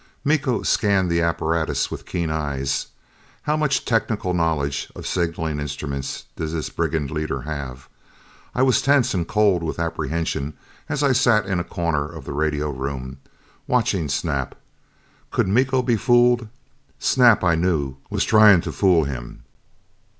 Miko scanned the apparatus with keen eyes. How much technical knowledge of signaling instruments did this brigand leader have? I was tense and cold with apprehension as I sat in a corner of the radio room, watching Snap. Could Miko be fooled? Snap, I knew, was trying to fool him.